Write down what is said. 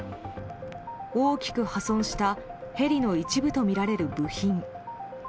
大きく破損したヘリの一部とみられる部品。